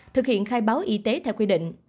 thực hiện khai báo y tế theo quy định